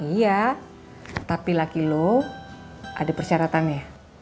iya tapi lagi lo ada persyaratannya